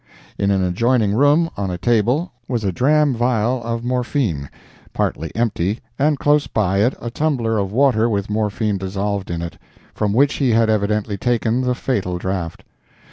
In an adjoining room, on a table, was a drachm vial of morphine, partly empty, and close by it a tumbler of water with morphine dissolved in it, from which he had evidently taken the fatal draught.